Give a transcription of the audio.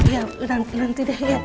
ya nanti deh ya